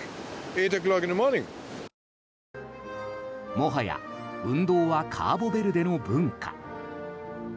もはや運動はカーボベルデの文化。